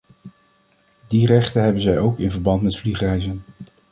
Die rechten hebben zij ook in verband met vliegreizen.